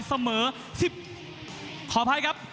เสมอ๑ขออภัยครับ